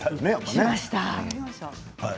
しました。